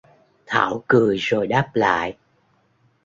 Thảo cười rồi đáp lại